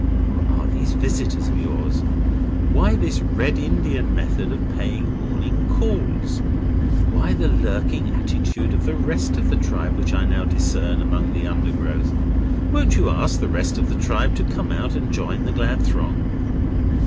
Who are these visitors of yours? Why this Red Indian method of paying morning calls? Why the lurking attitude of the rest of the tribe which I now discern among the undergrowth? Won't you ask the rest of the tribe to come out and join the glad throng?